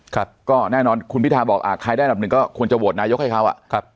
ก็แน่นอนคุณพิทาบอกใครได้อันดับหนึ่งก็ควรจะโหวตนายกให้เขา